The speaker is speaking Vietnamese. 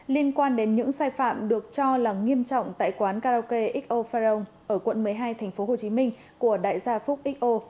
liên quan đến những sai phạm được cho là nghiêm trọng tại quán karaoke xo farong ở quận một mươi hai tp hcm của đại gia phúc xo